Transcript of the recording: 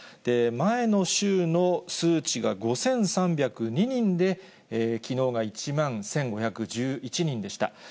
前の週の数値が５３０２人で、きのうが１万１５１１人でした。